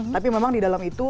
tapi memang di dalam itu